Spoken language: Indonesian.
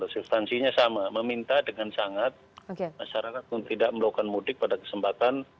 substansinya sama meminta dengan sangat masyarakat untuk tidak melakukan mudik pada kesempatan